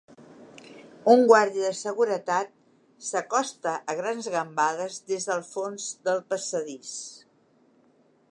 Un guàrdia de seguretat s'acosta a grans gambades des del fons del passadís.